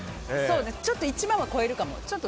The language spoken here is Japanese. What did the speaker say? ちょっと１万は超えるかも。